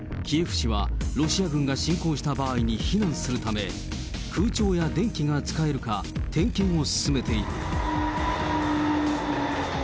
キエフ市は、ロシア軍が侵攻した場合に、避難するため、空調や電気が使えるか点検を進めている。